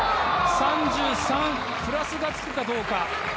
３３にプラスがつくかどうか。